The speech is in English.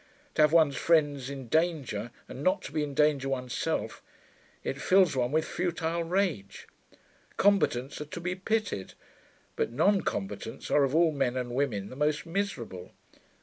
To have one's friends in danger, and not to be in danger oneself it fills one with futile rage. Combatants are to be pitied; but non combatants are of all men and women the most miserable.